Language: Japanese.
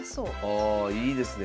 ああいいですね。